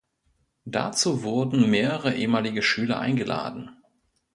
Dazu wurden mehrere ehemalige Schüler eingeladen.